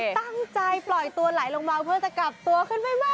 ตั้งใจปล่อยตัวไหลลงมาเพื่อจะกลับตัวขึ้นไปมาก